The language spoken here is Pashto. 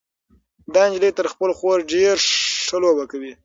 دا نجلۍ تر خپلې خور ډېره ښه لوبه کوي.